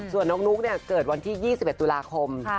ส่วนน้องนุ๊กเกิดวันที่๒๑ตุลาคม